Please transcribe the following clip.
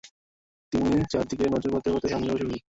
তিনি চারদিকে নজর বুলাতে বুলাতে সামনে অগ্রসর হন।